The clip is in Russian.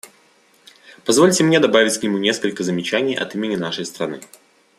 Позвольте мне добавить к нему несколько замечаний от имени нашей страны.